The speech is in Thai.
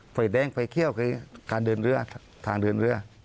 ไฟแดงไฟเขี้ยวทางเดินเรือ